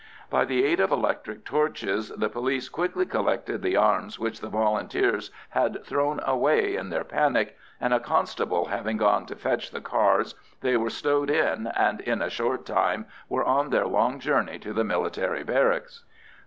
By the aid of electric torches the police quickly collected the arms which the Volunteers had thrown away in their panic, and a constable having gone to fetch the cars, they were stowed in, and in a short time were on their long journey to the military barracks.